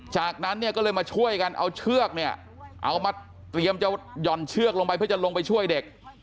จากนั้นเนี่ยก็เลยมาช่วยกันเอาเชือกเนี่ยเอามาเตรียมจะหย่อนเชือกลงไปเพื่อจะลงไปช่วยเด็ก